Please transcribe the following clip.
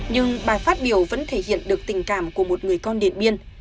nhưng bài phát biểu vẫn thể hiện được tình cảm của một người con điện biên